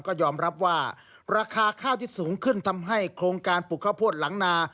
ก็ยอมรับว่าราคาข้าวที่สูงขึ้นทำให้โครงการปลูกข้าวโพดหลังนา